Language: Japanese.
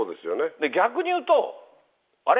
逆にいうと、あれ？